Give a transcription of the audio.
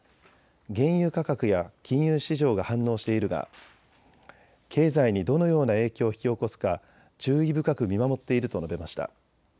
原油価格や金融市場が反応しているが経済にどのような影響を引き起こすか注意深く見守っていると述べました。